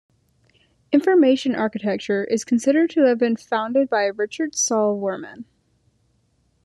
Information architecture is considered to have been founded by Richard Saul Wurman.